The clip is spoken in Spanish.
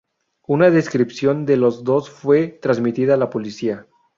Una descripción de los dos fue transmitida a la policía.